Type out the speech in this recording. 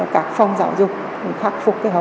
các phòng giáo dục